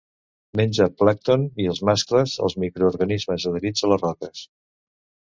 Menja plàncton i, els mascles, els microorganismes adherits a les roques.